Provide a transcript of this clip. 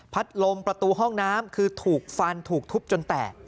ลมประตูห้องน้ำคือถูกฟันถูกทุบจนแตก